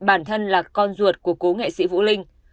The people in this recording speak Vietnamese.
bản thân là con ruột của cố nghệ sĩ vũ linh